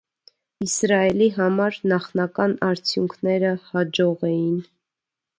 Իսրայելի համար նախնական արդյունքները հաջող էին։